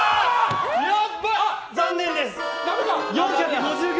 残念です。